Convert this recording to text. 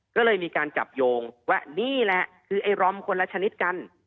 ก็เลยมีการจับโยงว่านี่แหละคือไอ้รอมคนละชนิดกัน